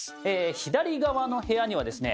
左側の部屋にはですね